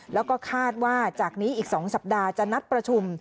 แล้วก็คาดว่าจากนี้อีก๒สัปดาห์จะนัดประชุม